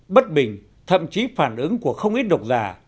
bất bình thậm chí phản ứng của không ít độc giả